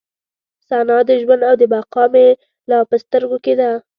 ثنا د ژوند او د بقا مې لا په سترګو کې ده.